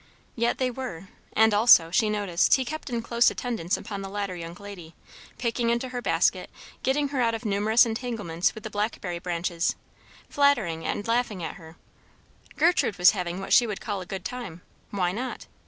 Yet they were; and also, she noticed, he kept in close attendance upon the latter young lady; picking into her basket, getting her out of her numerous entanglements with the blackberry branches, flattering and laughing at her; Gertrude was having what she would call a good time; why not?